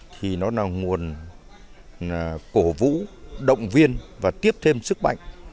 thì nó là nguồn cổ vũ động viên và tiếp thêm sức mạnh